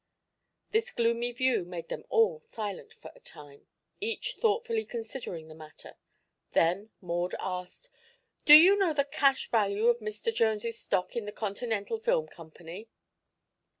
This gloomy view made them all silent for a time, each thoughtfully considering the matter. Then Maud asked: "Do you know the cash value of Mr. Jones' stock in the Continental Film Company?"